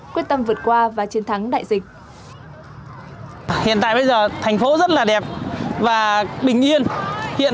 quyết tâm vượt qua và chiến thắng đại dịch